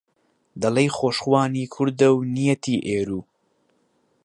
دەڵێی خۆشخوانی کوردە و نیەتی ئێروو